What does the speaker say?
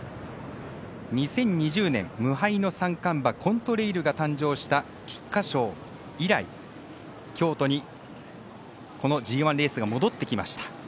２０２０年、無敗の三冠馬コントレイルが誕生した菊花賞以来、京都にこのＧＩレースが戻ってきました。